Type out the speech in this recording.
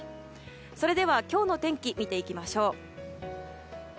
それでは今日の天気、見ていきましょう。